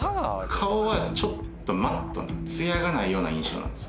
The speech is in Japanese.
顔はちょっとマットな艶がないような印象なんです。